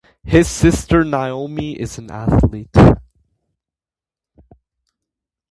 His sister Naomi is an athlete.